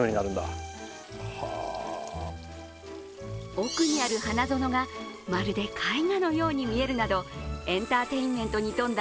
奥にある花園がまるで絵画のように見えるなどエンターテインメントに富んだ